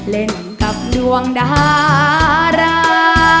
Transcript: เล่นกับดวงดารา